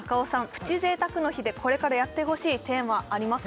プチ贅沢の日でこれからやってほしいテーマありますか？